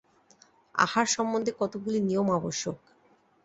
আহার সম্বন্ধে কতকগুলি নিয়ম আবশ্যক।